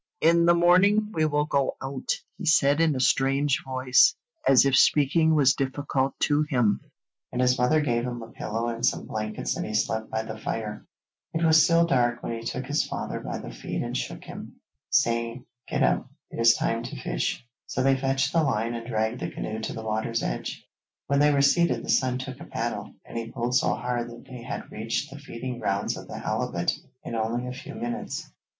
'In the morning we will go out,' he said in a strange voice, as if speaking was difficult to him, and his mother gave him a pillow and some blankets and he slept by the fire. It was still dark when he took his father by the feet and shook him, saying 'Get up, it is time to fish,' so they fetched the line and dragged the canoe to the water's edge. When they were seated the son took a paddle, and he pulled so hard that they had reached the feeding grounds of the halibut in only a few minutes.